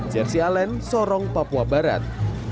jersi alen sorong papua barat